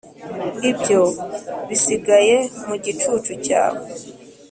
ibyo bisigaye mu gicucu cyawe